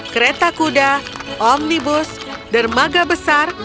kereta kuda omnibus dermaga besar